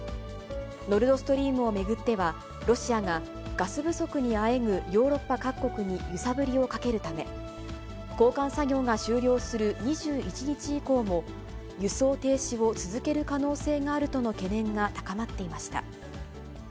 ノルドストリームを巡っては、ロシアがガス不足にあえぐヨーロッパ各国に揺さぶりをかけるため、交換作業が終了する２１日以降も、輸送停止を続ける可能性があるとの懸念が高まっていました。